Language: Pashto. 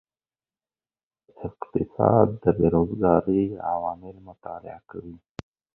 اقتصاد د بیروزګارۍ عوامل مطالعه کوي.